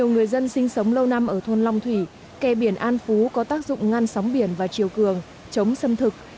người dân sinh sống lâu năm ở thôn long thủy kè biển an phú có tác dụng ngăn sóng biển và chiều cường chống xâm thực